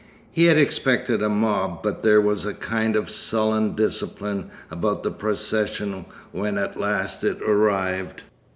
He had expected a mob but there was a kind of sullen discipline about the procession when at last it arrived.